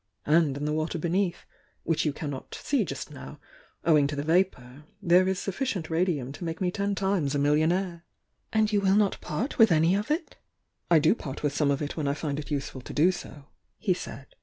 And in the water beneath, which you can not see just now, owing to the vapour, there is suflB cient radium to make me ten times a millionaire." "And you will not part^ with any of it?" "I do part with some of it when I find it useful to do so," he said.